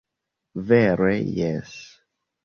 Vere jes!